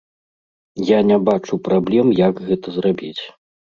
Я не бачу праблем, як гэта зрабіць.